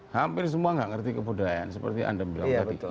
hampir semua nggak ngerti kebudayaan seperti anda bilang tadi